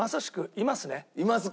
いますか？